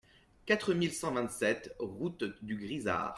quatre mille cent vingt-sept route du Grisard